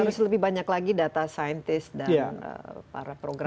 harus lebih banyak lagi data saintis dan para program